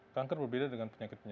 kanker berbeda dengan penyakit sakit ya